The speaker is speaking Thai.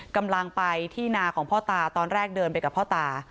กำลังไปที่นาของพ่อตาตอนแรกเดินไปกับพ่อตา